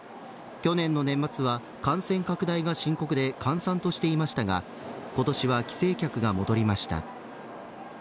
去年の年末は感染拡大が深刻で閑散としていましたが今年は帰省客が戻りました。